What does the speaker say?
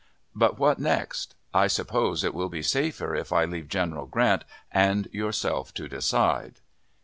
But what next? I suppose it will be safer if I leave General Grant and yourself to decide.